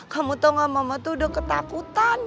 kamu tau gak mama tuh udah ketakutan